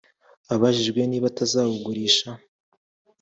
Abajijwe niba atazawugurisha